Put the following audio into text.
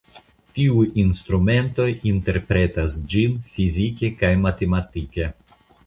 Tiuj instrumentoj interpretas ĝin fizike kaj matematike.